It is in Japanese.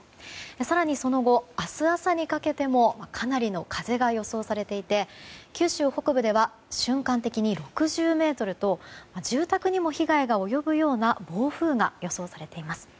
更にその後、明日朝にかけてもかなりの風が予想されていて九州北部では瞬間的に６０メートルと住宅にも被害が及ぶような暴風が予想されています。